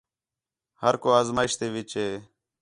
ہر کُو آزمائش تے وِچ ہِے